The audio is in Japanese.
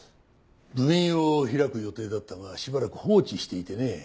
分院を開く予定だったがしばらく放置していてね。